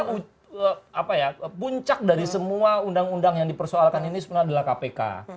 nah puncak dari semua undang undang yang dipersoalkan ini sebenarnya adalah kpk